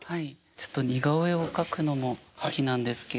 ちょっと似顔絵を描くのも好きなんですけれども。